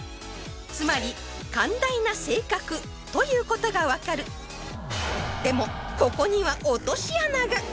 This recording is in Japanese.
つまり寛大な性格ということが分かるでもここには落とし穴が！